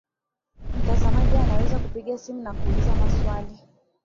mtazamaji anaweza kupiga simu na kuuliza maswali